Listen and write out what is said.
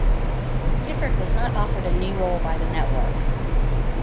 Gifford was not offered a new role by the network.